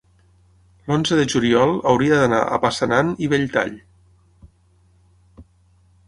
l'onze de juliol hauria d'anar a Passanant i Belltall.